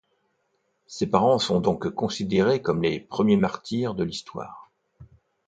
Ses parents sont donc considérés comme les premiers martyrs de l'histoire.